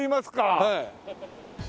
はい。